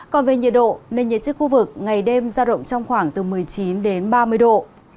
còn về nhiệt độ nền nhiệt trên khu vực ngày đêm giao động trong khoảng từ một mươi chín đến ba mươi độ